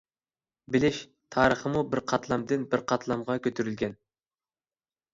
بىلىش تارىخىمۇ بىر قاتلامدىن بىر قاتلامغا كۆتۈرۈلگەن.